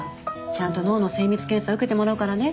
ちゃんと脳の精密検査受けてもらうからね。